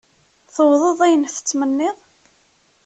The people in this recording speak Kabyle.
Tewwḍeḍ ayen tettmenniḍ?